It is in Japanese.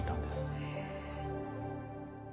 へえ。